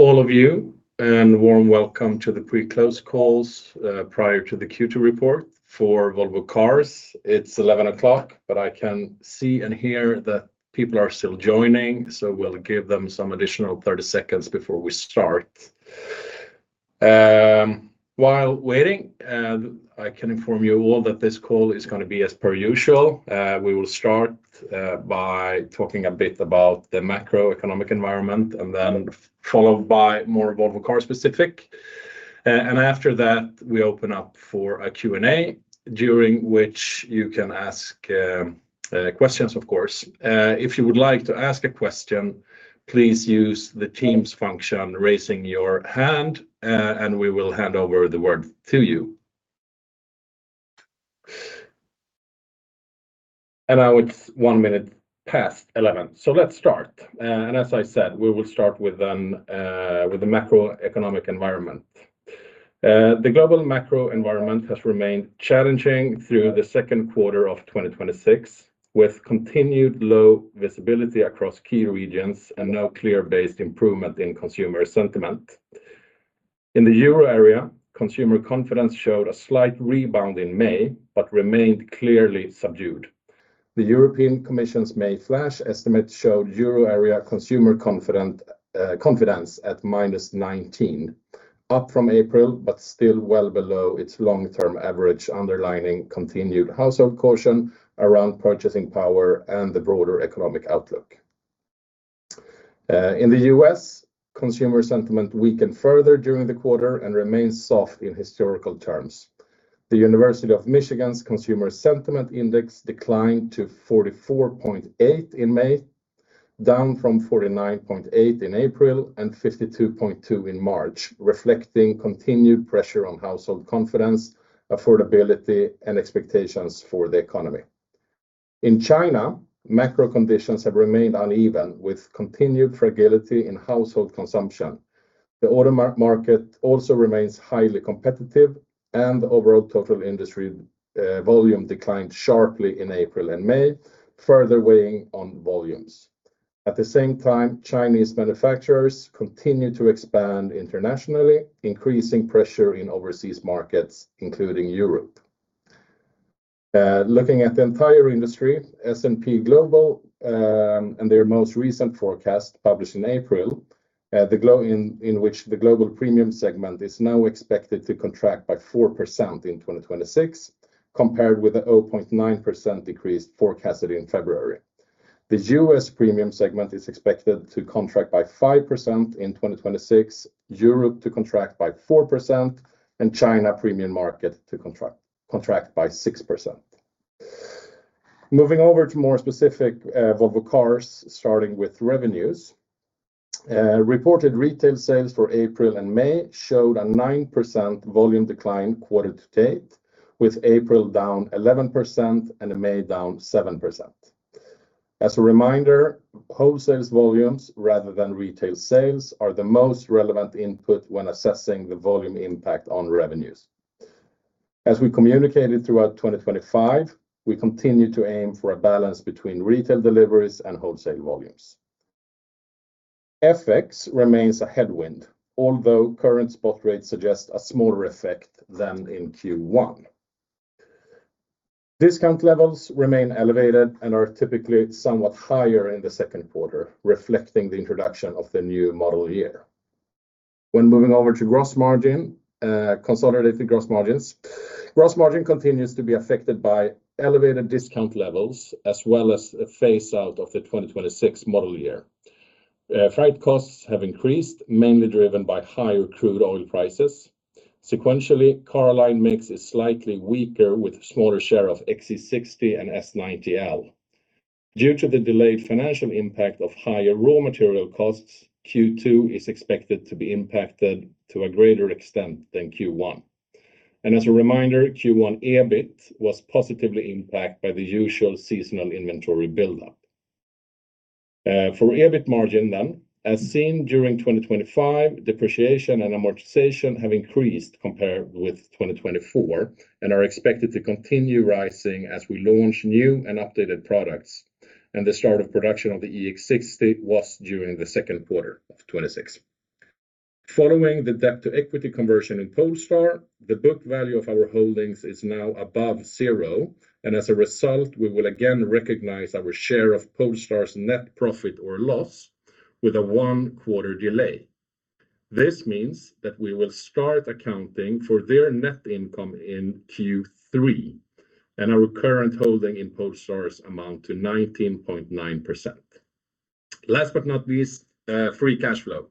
Hi, all of you, and a warm welcome to the pre-close call prior to the Q2 report for Volvo Cars. It's 11:00 A.M., but I can see and hear that people are still joining, so we'll give them some additional 30 seconds before we start. While waiting, I can inform you all that this call is going to be as per usual. We will start by talking a bit about the macroeconomic environment, then followed by more Volvo Car specific. After that, we open up for a Q&A, during which you can ask questions, of course. If you would like to ask a question, please use the Teams function, raising your hand, and we will hand over the word to you. Now it's one minute past 11:00 A.M., so let's start. As I said, we will start with the macroeconomic environment. The global macro environment has remained challenging through the second quarter of 2026, with continued low visibility across key regions and no clear based improvement in consumer sentiment. In the euro area, consumer confidence showed a slight rebound in May but remained clearly subdued. The European Commission's May flash estimate showed euro area consumer confidence at -19, up from April, but still well below its long-term average, underlining continued household caution around purchasing power and the broader economic outlook. In the U.S., consumer sentiment weakened further during the quarter and remains soft in historical terms. The University of Michigan's Consumer Sentiment Index declined to 44.8 in May, down from 49.8 in April and 52.2 in March, reflecting continued pressure on household confidence, affordability, and expectations for the economy. In China, macro conditions have remained uneven, with continued fragility in household consumption. The auto market also remains highly competitive, the overall total industry volume declined sharply in April and May, further weighing on volumes. At the same time, Chinese manufacturers continue to expand internationally, increasing pressure in overseas markets, including Europe. Looking at the entire industry, S&P Global, in their most recent forecast published in April, in which the global premium segment is now expected to contract by 4% in 2026, compared with the 0.9% decrease forecasted in February. The U.S. premium segment is expected to contract by 5% in 2026, Europe to contract by 4%, and China premium market to contract by 6%. Moving over to more specific Volvo Cars, starting with revenues. Reported retail sales for April and May showed a 9% volume decline quarter to date, with April down 11% and May down 7%. As a reminder, wholesale volumes, rather than retail sales, are the most relevant input when assessing the volume impact on revenues. As we communicated throughout 2025, we continue to aim for a balance between retail deliveries and wholesale volumes. FX remains a headwind, although current spot rates suggest a smaller effect than in Q1. Discount levels remain elevated and are typically somewhat higher in the second quarter, reflecting the introduction of the new model year. When moving over to gross margin, gross margin continues to be affected by elevated discount levels as well as a phaseout of the 2026 model year. Freight costs have increased, mainly driven by higher crude oil prices. Sequentially, car line mix is slightly weaker, with a smaller share of XC60 and S90L. Due to the delayed financial impact of higher raw material costs, Q2 is expected to be impacted to a greater extent than Q1. As a reminder, Q1 EBIT was positively impacted by the usual seasonal inventory buildup. For EBIT margin, as seen during 2025, depreciation and amortization have increased compared with 2024 and are expected to continue rising as we launch new and updated products. The start of production of the EX60 was during the second quarter of 2026. Following the debt-to-equity conversion in Polestar, the book value of our holdings is now above zero, and as a result, we will again recognize our share of Polestar's net profit or loss with a one-quarter delay. This means that we will start accounting for their net income in Q3, and our current holding in Polestar amounts to 19.9%. Last but not least, free cash flow.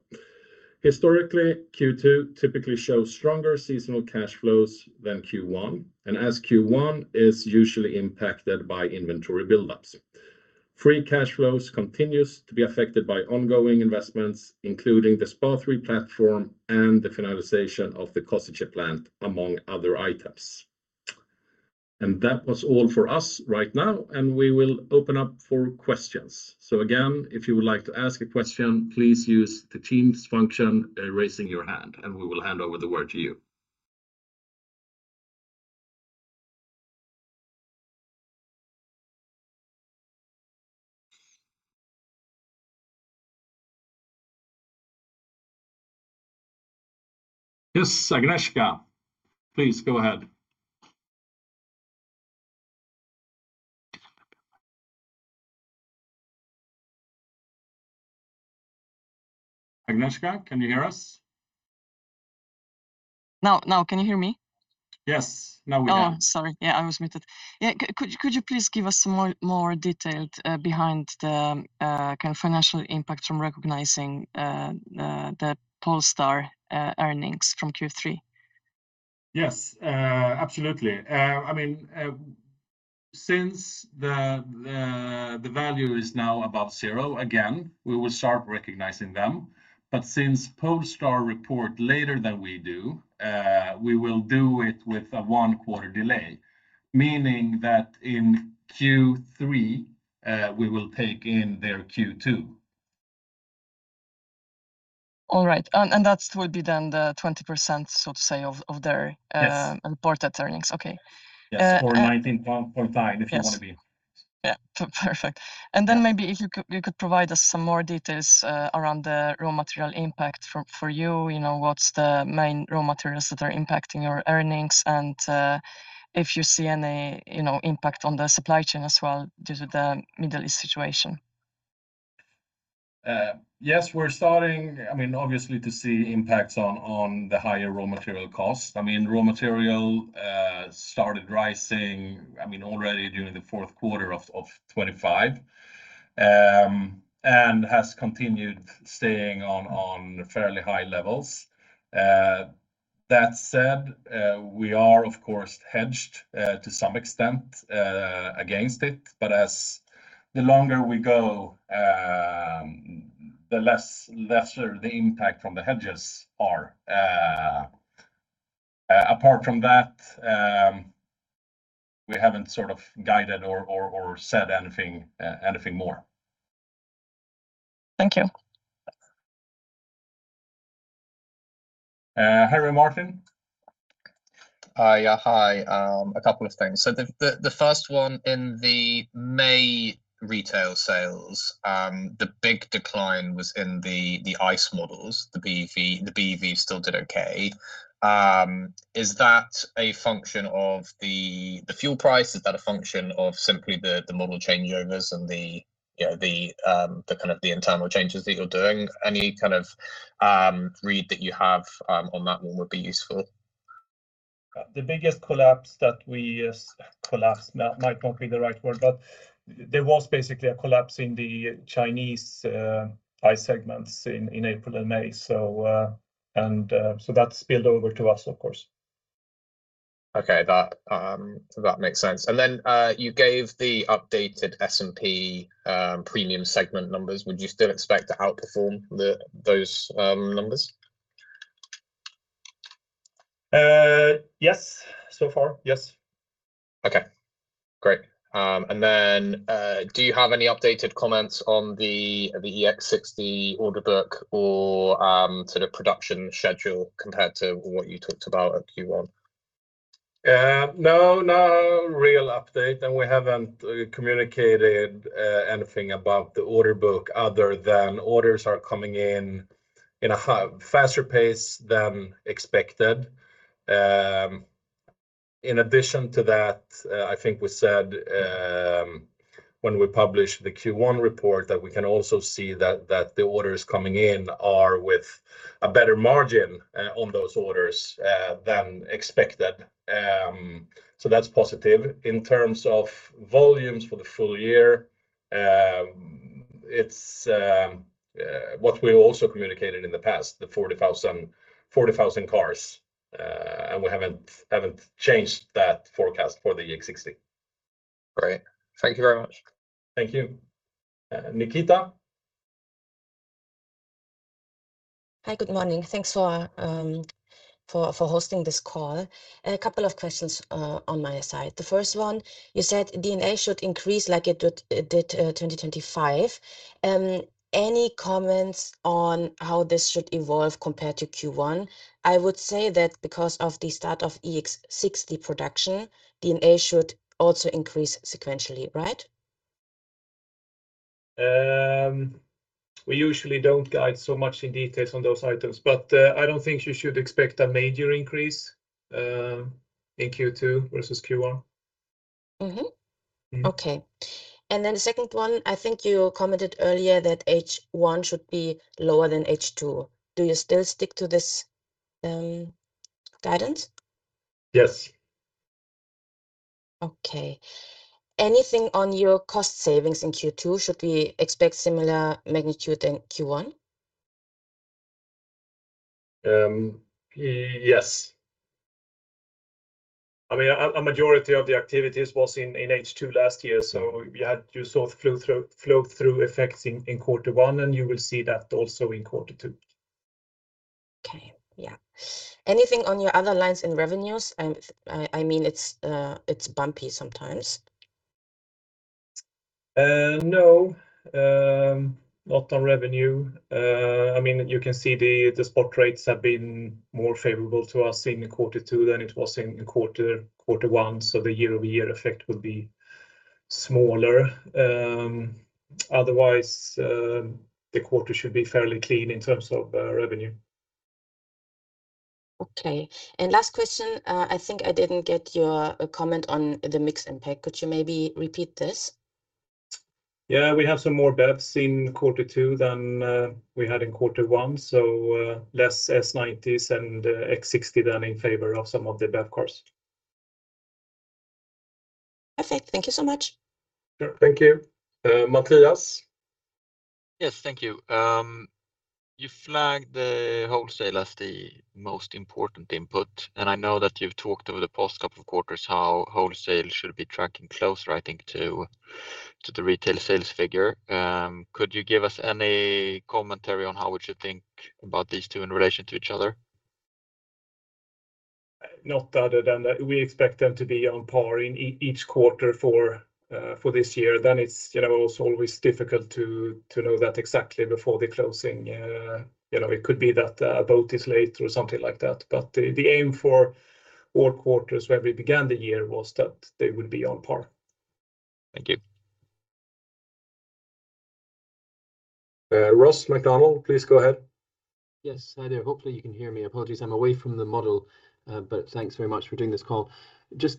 Historically, Q2 typically shows stronger seasonal cash flows than Q1, and as Q1 is usually impacted by inventory buildups. Free cash flows continue to be affected by ongoing investments, including the SPA3 platform and the finalization of the Košice plant, among other items. That was all for us right now, and we will open up for questions. Again, if you would like to ask a question, please use the Teams function, raising your hand, and we will hand over the word to you. Yes, Agnieszka, please go ahead. Agnieszka, can you hear us? Now, can you hear me? Yes. Now we can. Oh, sorry. Yeah, I was muted. Could you please give us some more detail behind the financial impact from recognizing the Polestar earnings from Q3? Yes, absolutely. Since the value is now above zero again, we will start recognizing them. Since Polestar report later than we do, we will do it with a one-quarter delay, meaning that in Q3, we will take in their Q2. All right. That will be then the 20%, so to say, of their- Yes. Reported earnings. Okay. Yes, or 19.5. Yeah. Perfect. Maybe if you could provide us some more details around the raw material impact for you, what's the main raw materials that are impacting your earnings and if you see any impact on the supply chain as well due to the Middle East situation? Yes, we're starting, obviously, to see impacts on the higher raw material cost. Raw material started rising already during the fourth quarter of 2025, and has continued staying on fairly high levels. That said, we are, of course, hedged to some extent against it, but as the longer we go, the lesser the impact from the hedges are. Apart from that, we haven't guided or said anything more. Thank you. Harry Martin. Hi. A couple of things. The first one, in the May retail sales, the big decline was in the ICE models. The BEV still did okay. Is that a function of the fuel price? Is that a function of simply the model changeovers and the internal changes that you're doing? Any kind of read that you have on that one would be useful. The biggest collapse might not be the right word, but there was basically a collapse in the Chinese ICE segments in April and May. That spilled over to us, of course. Okay. That makes sense. You gave the updated S&P premium segment numbers. Would you still expect to outperform those numbers? Yes. So far, yes. Okay, great. Do you have any updated comments on the EX60 order book or production schedule compared to what you talked about at Q1? No, no real update, and we haven't communicated anything about the order book other than orders are coming in in a faster pace than expected. In addition to that, I think we said when we published the Q1 report that we can also see that the orders coming in are with a better margin on those orders than expected. That's positive. In terms of volumes for the full year, it's what we've also communicated in the past, the 40,000 cars, and we haven't changed that forecast for the EX60. Great. Thank you very much. Thank you, Nikita. Hi. Good morning. Thanks for hosting this call. A couple of questions on my side. The first one, you said D&A should increase like it did 2025. Any comments on how this should evolve compared to Q1? I would say that because of the start of EX60 production, D&A should also increase sequentially, right? We usually don't guide so much in details on those items, I don't think you should expect a major increase in Q2 versus Q1. Okay. The second one, I think you commented earlier that H1 should be lower than H2. Do you still stick to this guidance? Yes. Okay. Anything on your cost savings in Q2? Should we expect similar magnitude in Q1? Yes. A majority of the activities was in H2 last year, so you saw the flow-through effect in quarter one, and you will see that also in quarter two. Okay. Yeah. Anything on your other lines in revenues? It's bumpy sometimes. No. Not on revenue. You can see the spot rates have been more favorable to us in quarter two than it was in quarter one, so the year-over-year effect would be smaller. Otherwise, the quarter should be fairly clean in terms of revenue. Okay. Last question, I think I didn't get your comment on the mix impact. Could you maybe repeat this? Yeah. We have some more BEVs in quarter two than we had in quarter one, less S90s and XC60 than in favor of some of the BEV cars. Perfect. Thank you so much. Sure. Thank you. Mattias? Yes, thank you. You flagged the wholesale as the most important input. I know that you've talked over the past couple of quarters how wholesale should be tracking close, I think, to the retail sales figure. Could you give us any commentary on how would you think about these two in relation to each other? Not other than that we expect them to be on par in each quarter for this year. It's also always difficult to know that exactly before the closing. It could be that a boat is late or something like that. The aim for all quarters when we began the year was that they would be on par. Thank you. Ross MacDonald, please go ahead. Yes. Hi there. Hopefully, you can hear me. Apologies, I'm away from the model, but thanks very much for doing this call. Just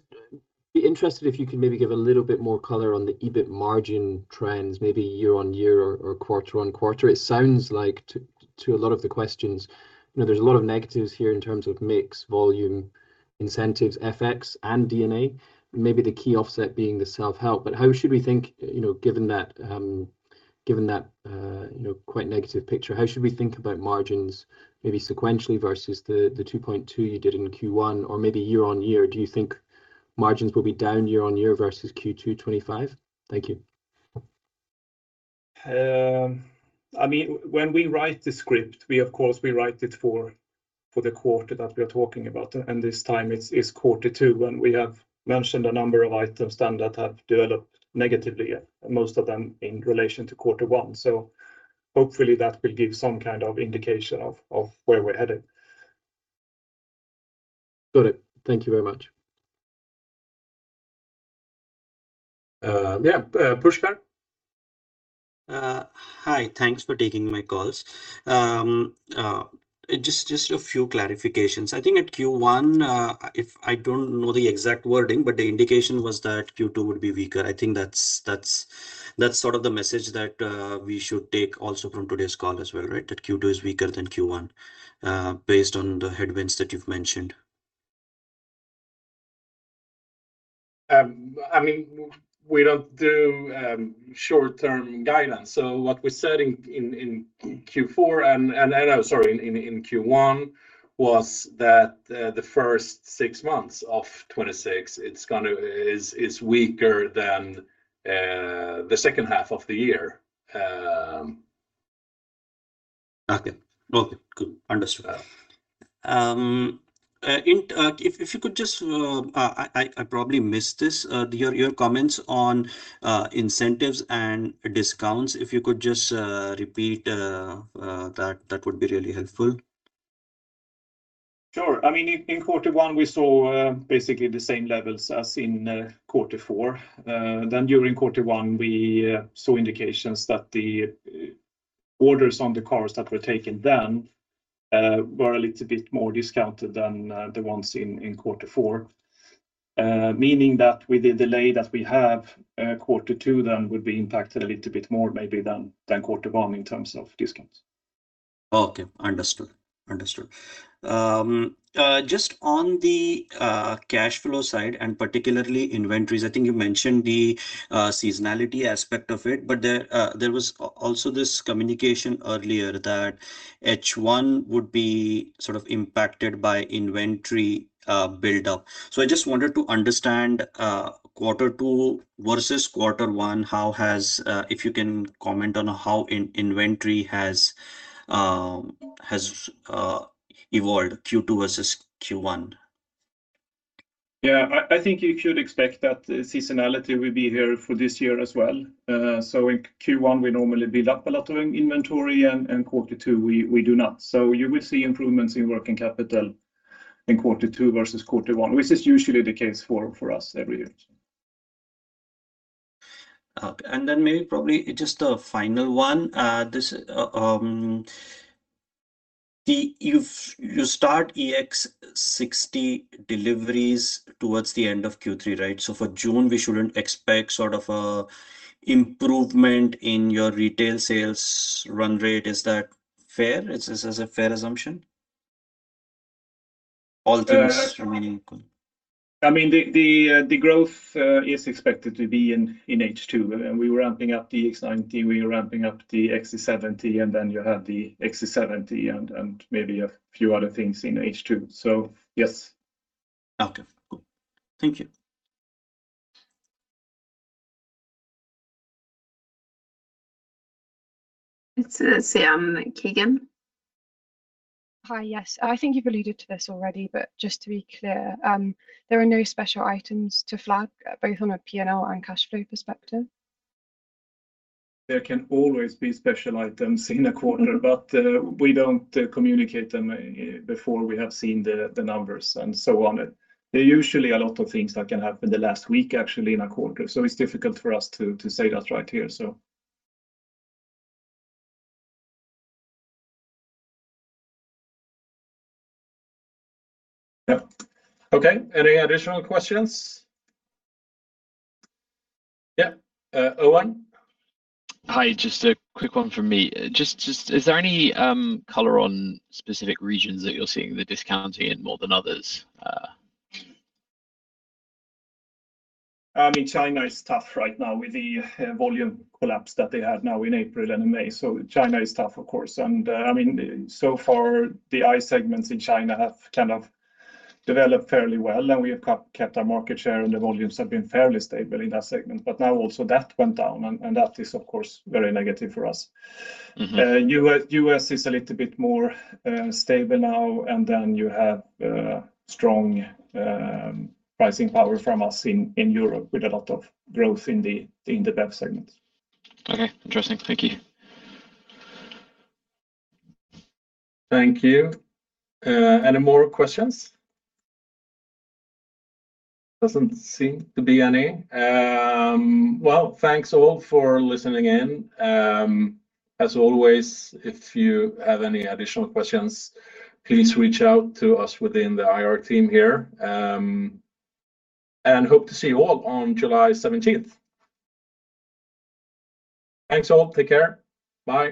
be interested if you could maybe give a little bit more color on the EBIT margin trends, maybe year-over-year or quarter-over-quarter. It sounds like, to a lot of the questions, there's a lot of negatives here in terms of mix, volume, incentives, FX, and D&A, maybe the key offset being the self-help. How should we think, given that quite negative picture, how should we think about margins, maybe sequentially versus the 2.2 you did in Q1, or maybe year-over-year? Do you think margins will be down year-over-year versus Q2 2025? Thank you. When we write the script, of course, we write it for the quarter that we're talking about, and this time it's quarter two, and we have mentioned a number of items then that have developed negatively, most of them in relation to quarter one. Hopefully, that will give some kind of indication of where we're headed. Got it. Thank you very much. Yeah. Pushkar? Hi. Thanks for taking my calls. Just a few clarifications. I think at Q1, I don't know the exact wording, but the indication was that Q2 would be weaker. I think that's sort of the message that we should take also from today's call as well, right? That Q2 is weaker than Q1 based on the headwinds that you've mentioned. We don't do short-term guidance. What we said in Q4 in Q1 was that the first six months of 2026 is weaker than the second half of the year. Okay. Good. Understood. If you could just, I probably missed this, your comments on incentives and discounts, if you could just repeat that would be really helpful. Sure. In quarter one, we saw basically the same levels as in quarter four. During quarter one, we saw indications that the orders on the cars that were taken then were a little bit more discounted than the ones in quarter four. Meaning that with the delay that we have, quarter two then would be impacted a little bit more maybe than quarter one in terms of discounts. Okay. Understood. Just on the cash flow side, and particularly inventories, I think you mentioned the seasonality aspect of it, but there was also this communication earlier that H1 would be sort of impacted by inventory buildup. I just wanted to understand, Q2 versus Q1, if you can comment on how inventory has evolved Q2 versus Q1. Yeah. I think you should expect that seasonality will be here for this year as well. In Q1, we normally build up a lot of inventory, and Q2, we do not. You will see improvements in working capital in Q2 versus Q1, which is usually the case for us every year. Okay. Then maybe, probably just a final one. You start EX60 deliveries towards the end of Q3, right? For June, we shouldn't expect sort of a improvement in your retail sales run rate. Is that fair? Is this a fair assumption? All things remaining equal. The growth is expected to be in H2, and we're ramping up the EX90, we're ramping up the XC70, and then you have the XC70 and maybe a few other things in H2. Yes. Okay, cool. Thank you. Let's see, Keegan. Hi. Yes. I think you've alluded to this already, but just to be clear, there are no special items to flag, both on a P&L and cash flow perspective? There can always be special items in a quarter, but we don't communicate them before we have seen the numbers and so on. There are usually a lot of things that can happen the last week, actually, in a quarter, so it's difficult for us to say that right here. Yep, okay. Any additional questions? Yeah, Owen? Hi, just a quick one from me. Just is there any color on specific regions that you're seeing the discounting in more than others? China is tough right now with the volume collapse that they had now in April and in May, so China is tough, of course. So far, the ICE segments in China have kind of developed fairly well, and we have kept our market share, and the volumes have been fairly stable in that segment. Now also that went down, and that is, of course, very negative for us. U.S. is a little bit more stable now. You have strong pricing power from us in Europe with a lot of growth in the BEV segment. Okay. Interesting. Thank you. Thank you. Any more questions? Doesn't seem to be any. Well, thanks all for listening in. As always, if you have any additional questions, please reach out to us within the IR team here. Hope to see you all on July 17th. Thanks all, take care. Bye.